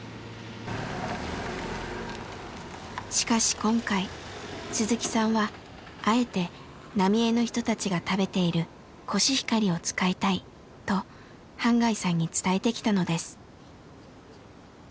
しかし今回鈴木さんはあえて浪江の人たちが食べているコシヒカリを使いたいと半谷さんに伝えてきたのです。